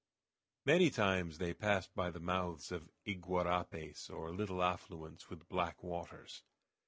Many times they passed by the mouths of iguarapes, or little affluents, with black waters.